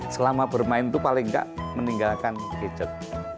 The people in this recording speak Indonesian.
selama bermain itu paling enggak meninggalkan gadget